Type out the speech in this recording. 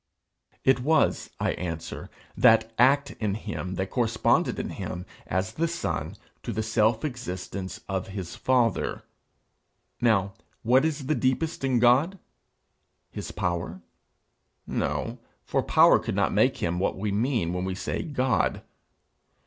It was, I answer, that act in him that corresponded in him, as the son, to the self existence of his father. Now what is the deepest in God? His power? No, for power could not make him what we mean when we say _God.